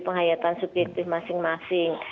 penghayatan subjektif masing masing